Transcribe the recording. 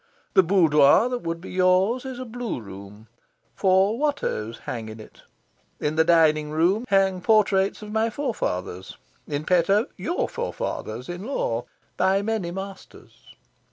The boudoir that would be yours is a blue room. Four Watteaus hang in it. In the dining hall hang portraits of my forefathers in petto, your forefathers in law by many masters.